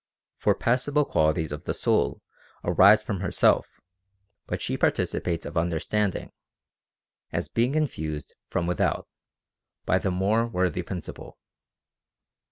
For passible qual ities of the soul arise from herself; but she participates of understanding, as being infused from without, by the more worthy principle.